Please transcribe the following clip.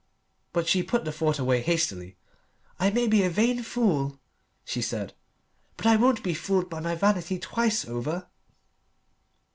But she put the thought away hastily. "I may be a vain fool," she said, "but I won't be fooled by my vanity twice over."